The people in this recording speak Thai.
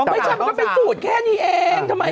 ไม่ใช่มันก็เป็นสูตรแค่นี้เองทำไมอ่ะ